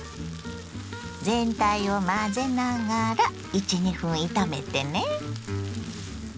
全体を混ぜながら１２分炒めてね。